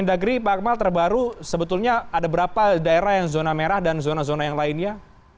dalam negeri pak akmal terbaru sebetulnya ada berapa daerah yang zona merah dan zona zona yang lainnya